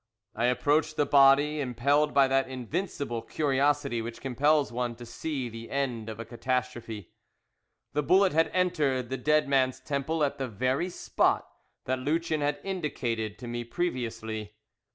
I approached the body, impelled by that invincible curiosity which compels one to see the end of a catastrophe. The bullet had entered the dead man's temple, at the very spot that Lucien had indicated to me previously.